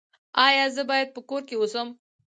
ایا زه باید په کور کې اوسم؟